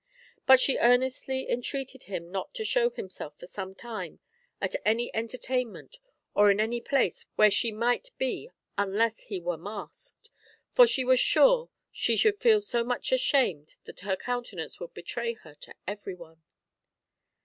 But she earnestly entreated him not to show himself for some time at any entertainment or in any place where she might be unless he were masked; for she was sure she should feel so much ashamed that her countenance would betray her to every one.